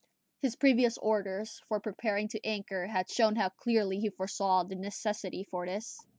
His previous orders for preparing to anchor had shown how clearly he foresaw the necessity for this.